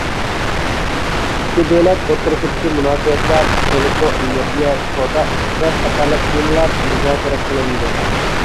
ئىككى دۆلەت ئوتتۇرىسىدىكى مۇناسىۋەتلەر، بولۇپمۇ ئېنېرگىيە، سودا، ئىقتىساد قاتارلىق تېمىلار مۇزاكىرە قىلىنىدۇ.